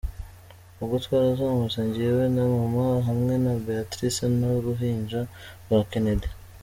Ubwo twarazamutse jyewe na Maman, hamwe na Beatrice n’uruhinja rwe Kennedy.